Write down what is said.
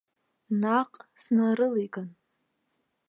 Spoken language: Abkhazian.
Наҟ снарылиган.